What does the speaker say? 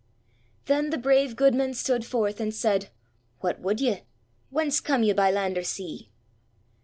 _" Then the brave goodman stood forth, and said: "What would you? Whence come you by land or sea?"